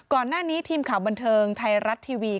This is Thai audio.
ก่อนหน้านี้ทีมข่าวบันเทิงไทยรัฐทีวี